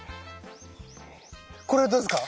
これどうですか？